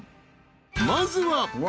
［まずは］